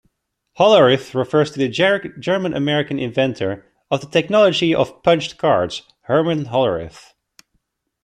"Hollerith" refers to the German-American inventor of the technology of punched cards, Herman Hollerith.